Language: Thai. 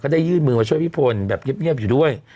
ได้ยื่นมือมาช่วยพี่พลแบบเงียบอยู่ด้วย